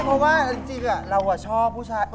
ไม่เพราะว่าจริงอะเราอะชอบผู้ชาย